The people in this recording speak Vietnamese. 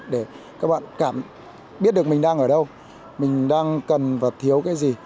để các bạn biết được mình đang ở đâu mình đang cần và thiếu cái gì